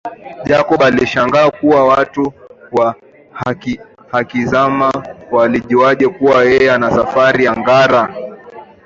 Jacob alishangaa kuwa watu wa Hakizimana walijuaje kuwa yeye ana safari ya Ngara